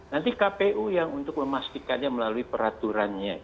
nanti kpu yang untuk memastikannya melalui peraturannya